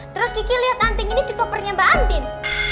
terus kiki lihat anting ini di kopernya mbak andin